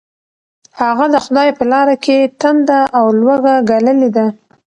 هغه د خدای په لاره کې تنده او لوږه ګاللې ده.